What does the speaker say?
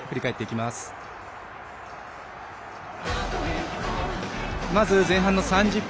まず前半３０分。